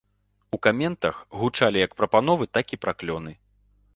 У каментах гучалі як прапановы, так і праклёны.